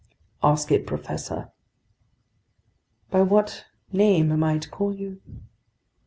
"Ask it, professor." "By what name am I to call you?"